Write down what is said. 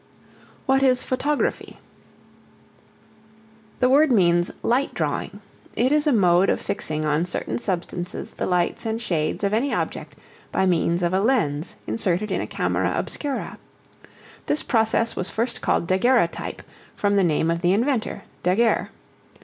What is Photography? The word means "light drawing." It is a mode of fixing on certain substances the lights and shades of any object by means of a lens inserted in a camera obscura. This process was first called Daguerreotype from the name of the inventor, Daguerre.